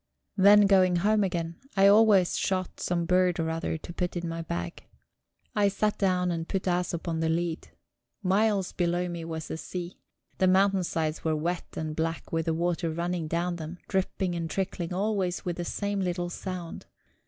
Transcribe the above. Then, going home again, I always shot some bird or other to put in my bag. I sat down and put Æsop on the lead. Miles below me was the sea; the mountainsides were wet and black with the water running down them, dripping and trickling always with the same little sound.